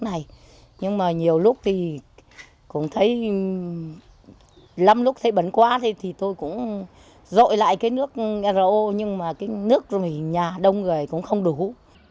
thì làm lúc thấy bẩn quá thì tôi cũng dội lại cái nước ro nhưng mà cái nước nhà đông rồi cũng không đủ